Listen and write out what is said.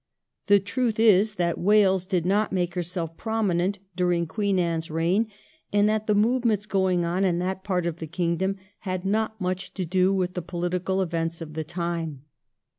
The truth is that Wales did not make herself prominent during Queen Anne's reign, and that the movements going on in that part of the kingdom had not much to do with the political events of the time.